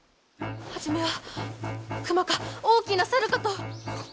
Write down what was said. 初めは熊か大きな猿かと。